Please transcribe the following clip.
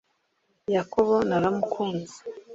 Yakobo naramukunze